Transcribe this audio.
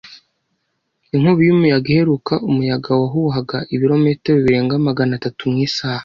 Inkubi y'umuyaga iheruka, umuyaga wahuhaga ibirometero birenga magana atatu mu isaha!